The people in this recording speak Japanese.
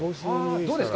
どうですか？